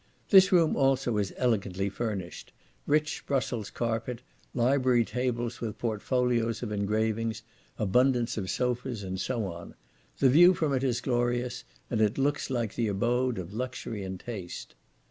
This room also is elegantly furnished; rich Brussels carpet; library tables, with portfolios of engravings; abundance of sofas, and so on. The view from it is glorious, and it looks like the abode of luxury and taste.